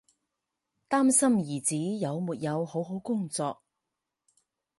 担心儿子有没有好好工作